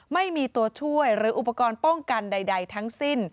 ไม่มีตัวช่วยหรืออุปกรณ์ป้องกันใดทั้งสิ้น